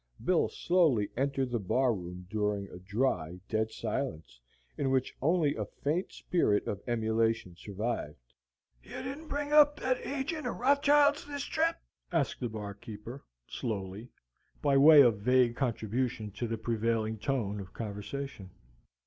Bill slowly entered the bar room during a dry, dead silence, in which only a faint spirit of emulation survived. "Ye didn't bring up that agint o' Rothschild's this trip?" asked the barkeeper, slowly, by way of vague contribution to the prevailing tone of conversation.